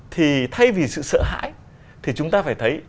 thì thay vì sự sợ hãi thì chúng ta phải thấy